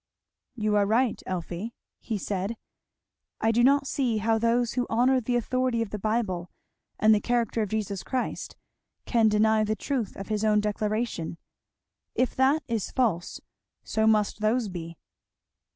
"You are right, Elfie," he said. "I do not see how those who honour the authority of the Bible and the character of Jesus Christ can deny the truth of his own declaration. If that is false so must those be."